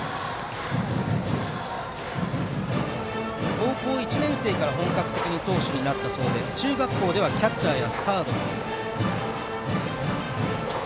高校１年生から本格的に投手になったそうで中学校ではキャッチャーやサード。